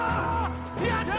やった！